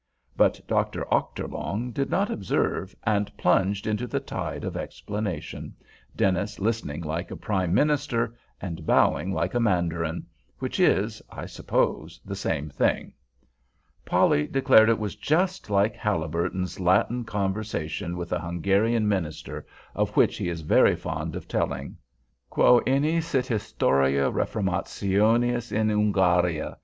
But Dr. Ochterlong did not observe, and plunged into the tide of explanation, Dennis listening like a prime minister, and bowing like a mandarin—which is, I suppose, the same thing. Polly declared it was just like Haliburton's Latin conversation with the Hungarian minister, of which he is very fond of telling. "_Quoene sit historia Reformationis in Ungariâ?